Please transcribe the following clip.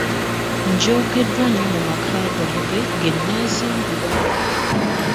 Njoogeddwa nnyo mu maka gange ge nneezimbira.